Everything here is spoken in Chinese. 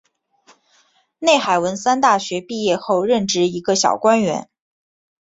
内海文三大学毕业后任职一个小官员。